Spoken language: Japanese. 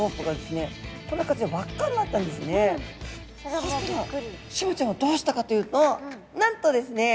そしたらシマちゃんはどうしたかというとなんとですね